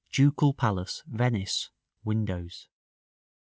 Ducal Palace, Venice (windows.)